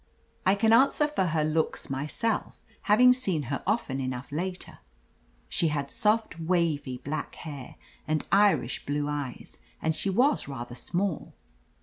I can answer for her looks myself, having seen her often enough later. She had soft, wavy, black hair and Irish blue eyes, and she was rather small.